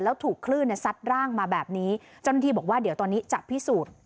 แล้วถูกคลื่นซัดร่างมาแบบนี้เจ้าหน้าที่บอกว่าเดี๋ยวตอนนี้จะพิสูจน์